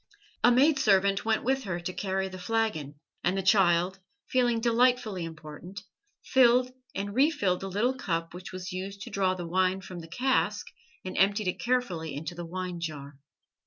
A maid servant went with her to carry the flagon, and the child, feeling delightfully important, filled and refilled the little cup which was used to draw the wine from the cask and emptied it carefully into the wine jar.